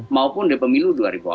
maupun di pemilu dua ribu empat belas